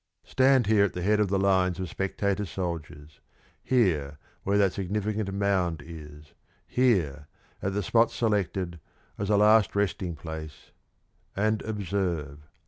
Stand here at the head of the lines of spectator soldiers here where that significant mound is; here at the spot selected as a last resting place and observe.